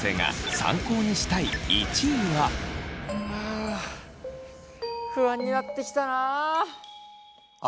あ不安になってきたな。